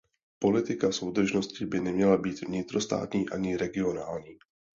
Politika soudržnosti by neměla být vnitrostátní ani regionální.